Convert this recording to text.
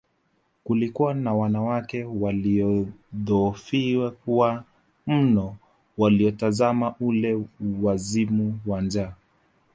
Kulikuwa na wanawake waliodhoofiwa mno waliotazama ule wazimu wa njaa